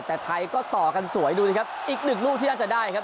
แต่ไทยก็ต่อกันสวยดูสิครับอีกหนึ่งลูกที่น่าจะได้ครับ